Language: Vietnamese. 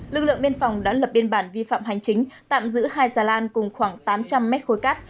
lực lượng biên phòng đã lập biên bản vi phạm hành chính tạm giữ hai xà lan cùng khoảng tám trăm linh mét khối cát